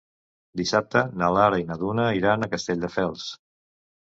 Dissabte na Lara i na Duna iran a Castelldefels.